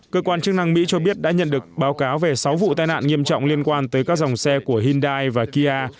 cơ quan chức năng mỹ cho biết đã nhận được báo cáo về sáu vụ tai nạn nghiêm trọng liên quan tới các dòng xe của hyundai và kia